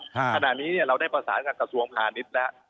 ขนาดนี้เนี่ยเราได้ประสาทกับกระทรวงผ่านิดละ